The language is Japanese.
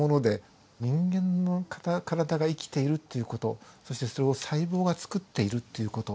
人間の体が生きているっていう事そしてそれを細胞がつくっているっていう事。